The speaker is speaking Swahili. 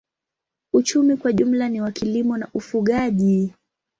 Uchumi kwa jumla ni wa kilimo na ufugaji.